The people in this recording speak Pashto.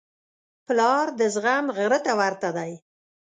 پلار د زغم غره ته ورته دی.